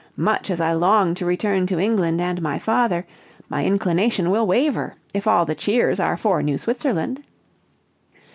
"Much as I long to return to England and my father, my inclination will waver if all the cheers are for New Switzerland!"